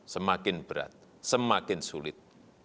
semakin berat semakin sulit